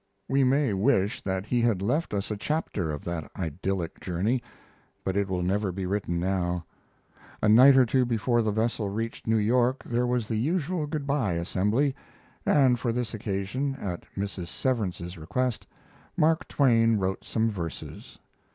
We may wish that he had left us a chapter of that idyllic journey, but it will never be written now. A night or two before the vessel reached New York there was the usual good by assembly, and for this occasion, at Mrs. Severance's request, Mark Twain wrote some verses.